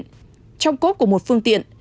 trong cốt của một phương tiện